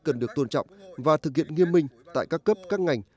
cần được tôn trọng và thực hiện nghiêm minh tại các cấp các ngành